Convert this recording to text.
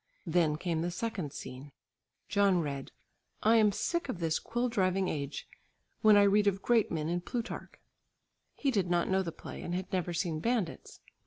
Then came the second scene: John read, "I am sick of this quill driving age when I read of great men in Plutarch." He did not know the play and had never seen bandits.